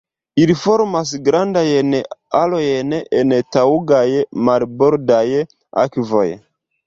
Ili formas grandajn arojn en taŭgaj marbordaj akvoj.